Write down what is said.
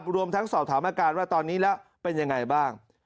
รวมทั้งสอบถามอาการว่าตอนนี้แล้วเป็นยังไงบ้าง